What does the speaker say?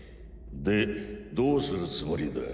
でどうするつもりだ？